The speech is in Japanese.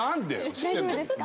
知ってるのに。